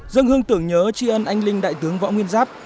dâng hương tưởng nhớ tri ân anh linh đại tướng võ nguyên giáp